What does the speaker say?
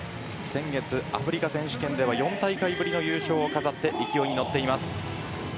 先月、アフリカ選手権では４大会ぶりの優勝を飾って勢いに乗っています。